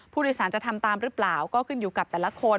ผู้โดยสารจะทำตามหรือเปล่าก็ขึ้นอยู่กับแต่ละคน